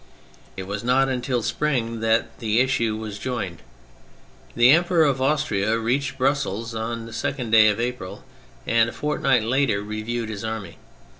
It was not until spring that the issue was joined. The Emperor of Austria reached Brussels on the 2nd day of April, and a fort night later reviewed his army.